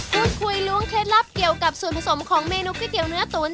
พูดคุยล้วงเคล็ดลับเกี่ยวกับส่วนผสมของเมนูก๋วยเตี๋ยเนื้อตุ๋น